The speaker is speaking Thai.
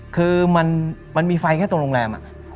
คือมันมีไฟแค่ตรงโรงแรม